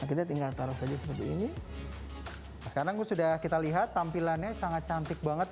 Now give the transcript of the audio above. kita tinggal taruh saja seperti ini sekarang sudah kita lihat tampilannya sangat cantik banget